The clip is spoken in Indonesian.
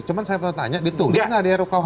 cuma saya mau tanya ditulis nggak di rukah hp